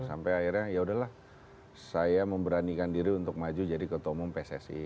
sampai akhirnya yaudahlah saya memberanikan diri untuk maju jadi ketua umum pssi